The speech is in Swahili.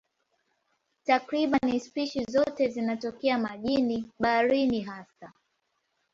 Takriban spishi zote zinatokea majini, baharini hasa.